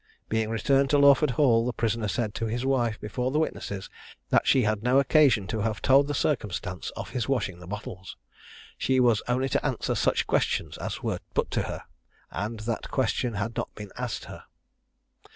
Being returned to Lawford Hall, the prisoner said to his wife before the witness, that she had no occasion to have told the circumstance of his washing the bottles: she was only to answer such questions as were put to her; and that question had not been asked her.